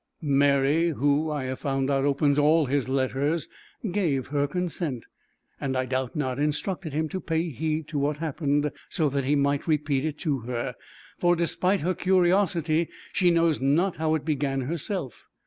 Mary, who, I have found out, opens all his letters, gave her consent, and, I doubt not, instructed him to pay heed to what happened so that he might repeat it to her, for despite her curiosity she knows not how it began herself.